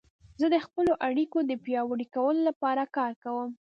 زه د خپلو اړیکو د پیاوړي کولو لپاره کار کوم.